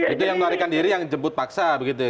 itu yang melarikan diri yang dijemput paksa begitu ya